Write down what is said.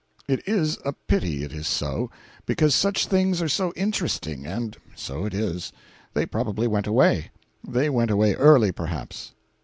It is a pity it is so, because such things are so interesting; but so it is. They probably went away. They went away early, perhaps.